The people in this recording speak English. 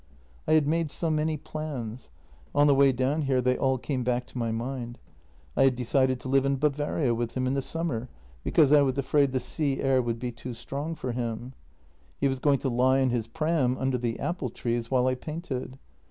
" I had made so many plans. On the w 7 ay down here they all came back to my mind. I had decided to live in Bavaria with him in the summer, because I was afraid the sea air w ? ould be too strong for him. He was going to lie in his pram under the apple trees while I painted.